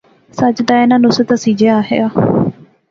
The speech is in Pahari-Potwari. ساجد آیا ناں، نصرت ہنسی جے آخیا